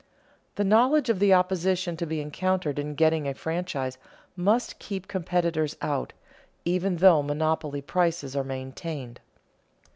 The knowledge of the opposition to be encountered in getting a franchise must keep competitors out, even though monopoly prices are maintained.